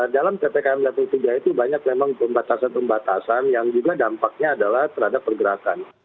dalam ppkm level tiga itu banyak memang pembatasan pembatasan yang juga dampaknya adalah terhadap pergerakan